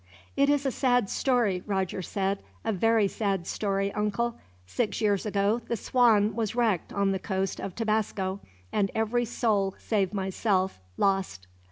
"It is a sad story," Roger said. "A very sad story, uncle. Six years ago, the Swan was wrecked on the coast of Tabasco; and every soul, save myself, lost."